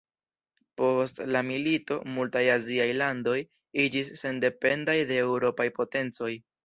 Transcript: Post la milito, multaj Aziaj landoj iĝis sendependaj de Eŭropaj potencoj.